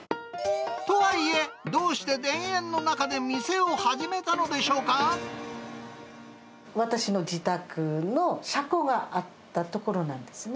とはいえ、どうして田園の中私の自宅の車庫があった所なんですね。